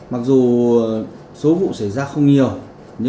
mặc dù số vụ xảy ra không nhiều